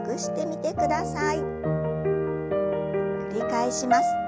繰り返します。